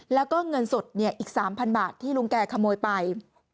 แล้วก็เงินสดอีก๓๐๐บาทที่ลุงแกขโมยไป